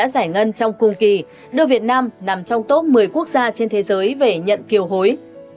giải ngân trong cùng kỳ đưa việt nam nằm trong top một mươi quốc gia trên thế giới về nhận kiều hối